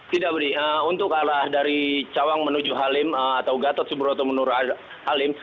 tidak budi untuk arah dari cawang menuju halim atau gatot subroto menurut halim